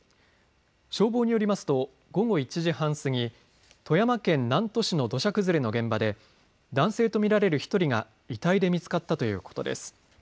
消防によりますと午後１時半過ぎ、富山県南砺市の土砂崩れの現場で男性と見られる１人が遺体で見つかったということです。